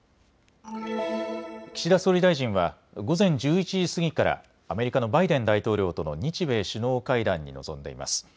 岸田総理大臣は午前１１時過ぎからアメリカのバイデン大統領との日米首脳会談に臨んでいます。